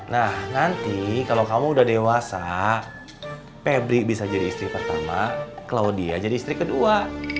nah nanti kalau kamu udah dewasa pebri bisa jadi istri pertama clau dia jadi istri kedua